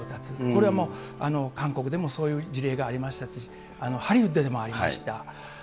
これはもう、韓国でもそういう事例がありましたし、ハリウッドでもありました。